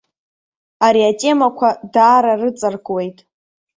Ари атемақәа даара рыҵаркуеит.